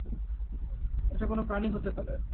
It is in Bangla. এটা কোন প্রাণী হতে পারে।